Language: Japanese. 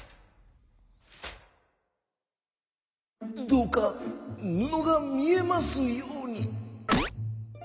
「どうかぬのがみえますように。